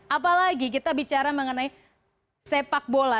apalagi kita bicara mengenai sepak bola